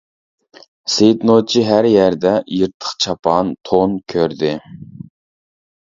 سېيىت نوچى ھەر يەردە، يىرتىق چاپان، تون كۆردى.